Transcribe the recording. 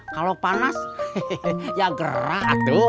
kalo panas ya gerah atuh